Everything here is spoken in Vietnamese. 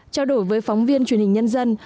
trao đổi với phóng viên truyền hình nhân dân